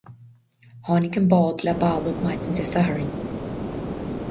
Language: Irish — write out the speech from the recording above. Tháinig an bád le balla maidin Dé Sathairn.